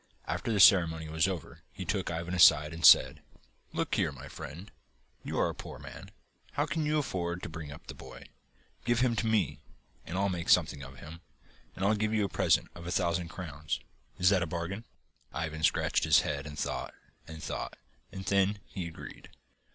After the ceremony was over he took Ivan aside and said: 'Look here, my friend, you are a poor man. How can you afford to bring up the boy? Give him to me and I'll make something of him, and I'll give you a present of a thousand crowns. Is that a bargain?' Ivan scratched his head, and thought, and thought, and then he agreed.